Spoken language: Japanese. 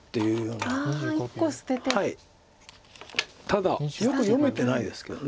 ただよく読めてないですけど。